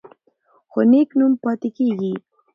خو نېک نوم پاتې کیږي.